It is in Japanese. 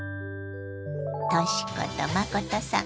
とし子と真さん